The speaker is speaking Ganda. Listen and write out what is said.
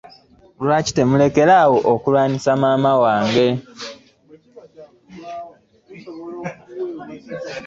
Lwaki temulekera awo kulwanisa maama wange?